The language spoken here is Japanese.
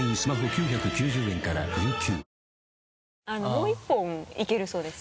もう１本いけるそうです。